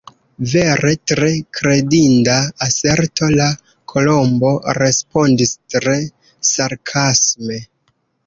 "Vere tre kredinda aserto!" la Kolombo respondis tre sarkasme.